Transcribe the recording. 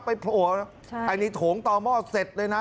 โผล่อันนี้โถงต่อหม้อเสร็จเลยนะ